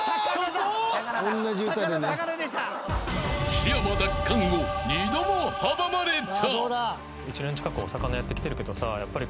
［木山奪還を２度も阻まれた］